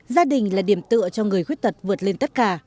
gia đình là điểm tựa cho người khuyết tật vượt lên tất cả